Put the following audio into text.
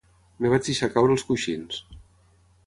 Em vaig deixar caure als coixins.